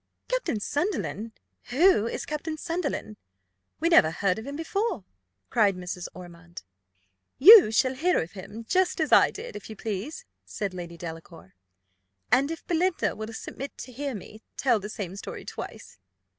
"Captain Sunderland! who is Captain Sunderland? we never heard of him before," cried Mrs. Ormond. "You shall hear of him just as I did, if you please," said Lady Delacour, "and if Belinda will submit to hear me tell the same story twice."